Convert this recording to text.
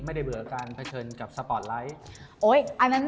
เบื่อการเผชิญกับสปอร์ตไลท์